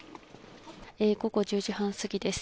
午後１０時半過ぎです。